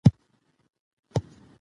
اقلیم د افغانستان د ملي هویت نښه ده.